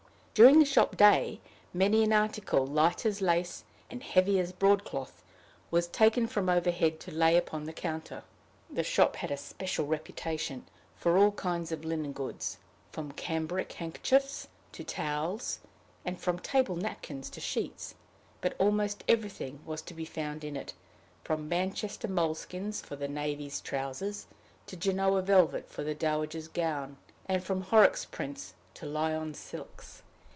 During the shop day, many an article, light as lace, and heavy as broadcloth, was taken from overhead to lay upon the counter. The shop had a special reputation for all kinds of linen goods, from cambric handkerchiefs to towels, and from table napkins to sheets; but almost everything was to be found in it, from Manchester moleskins for the navy's trousers, to Genoa velvet for the dowager's gown, and from Horrocks's prints to Lyons silks.